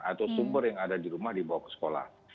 atau sumber yang ada di rumah dibawa ke sekolah